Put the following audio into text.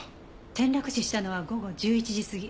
転落死したのは午後１１時過ぎ。